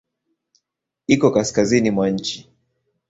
Iko kaskazini mwa nchi.